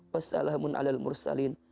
wassalamun ala almursalin